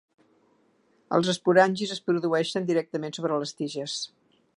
Els esporangis es produeixen directament sobre les tiges.